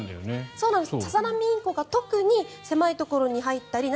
そうなんです。